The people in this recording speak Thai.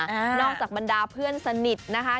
นอกจากบรรดาเพื่อนสนิทนะคะ